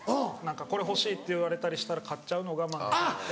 これ欲しいって言われたりしたら買っちゃうの我慢できなくて。